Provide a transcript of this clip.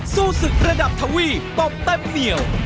สู้ศึกระดับทวีปตบเต็มเหนียว